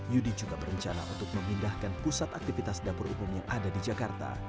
yudi juga berencana untuk memindahkan pusat aktivitas dapur umum yang ada di jakarta